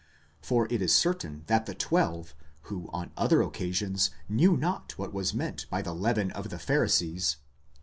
For it is certain that the twelve, who on other occasions knew not what was meant by the leaven of the Pharisees.